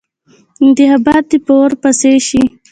انتخابات دې په اور پسې شي.